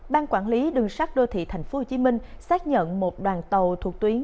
ban quản lý đường sắt đô thị tp hcm xác nhận một đoàn tàu thuộc tuyến